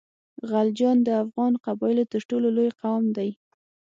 غلجیان د افغان قبایلو تر ټولو لوی قام دی.